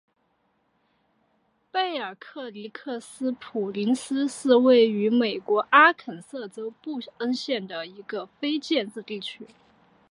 贝尔克里克斯普林斯是位于美国阿肯色州布恩县的一个非建制地区。